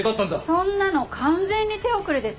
そんなの完全に手遅れです。